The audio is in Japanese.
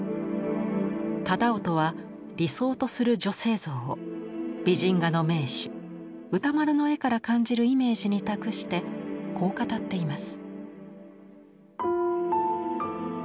楠音は理想とする女性像を美人画の名手歌麿の絵から感じるイメージに託してこう語っています。